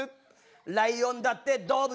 「ライオンだって動物」